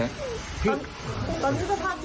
ตอนที่สภาพจิตใจแม่เป็นอย่างไร